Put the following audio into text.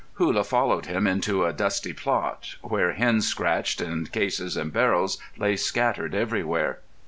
Hullah followed him into a dusty plot, where hens scratched and cases and barrels lay scattered everywhere.